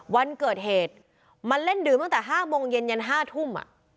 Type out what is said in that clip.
วันเกิดเหตุมันเล่นดื่มตั้งแต่๕โมงเย็นยัน๕ทุ่ม